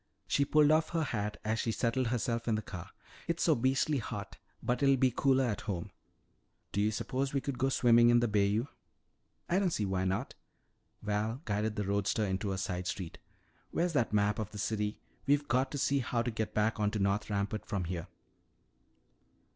She pulled off her hat as she settled herself in the car. "It's so beastly hot, but it'll be cooler at home. Do you suppose we could go swimming in the bayou?" "I don't see why not." Val guided the roadster into a side street. "Where's that map of the city? We've got to see how to get back on to North Rampart from here."